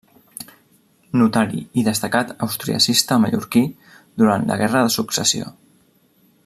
Notari i destacat austriacista mallorquí durant la Guerra de Successió.